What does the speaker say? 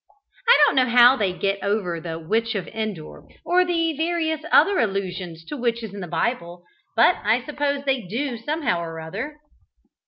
I don't know how they get over the Witch of Endor, or the various other allusions to witches in the Bible, but I suppose they do somehow or other.